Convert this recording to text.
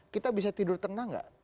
kita bisa tidur tenang gak